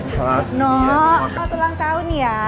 selamat ulang tahun ya